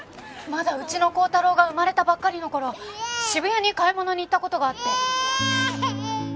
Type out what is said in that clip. まだうちの高太郎が生まれたばっかりの頃渋谷に買い物に行った事があって。